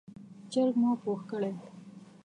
چرګ مو پوخ کړی،